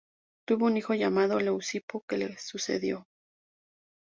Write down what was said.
Tuvo un hijo llamado Leucipo, que le sucedió.